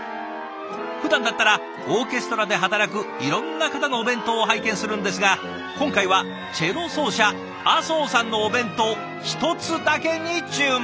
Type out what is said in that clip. ふだんだったらオーケストラで働くいろんな方のお弁当を拝見するんですが今回はチェロ奏者阿相さんのお弁当１つだけに注目。